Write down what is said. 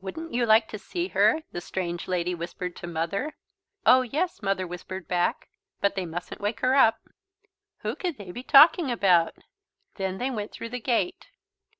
"Wouldn't you like to see her?" the strange lady whispered to Mother. "Oh yes," Mother whispered back, "but they mustn't wake her up." Who could they be talking about? Then they went through the gate.